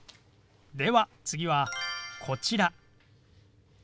では次はこちら。